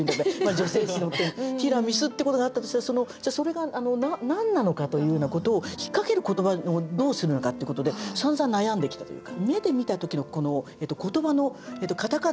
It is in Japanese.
女性誌のテーマティラミスってことがあったとしたらじゃあそれが何なのかというようなことを引っ掛ける言葉をどうするのかっていうことでさんざん悩んできたというか。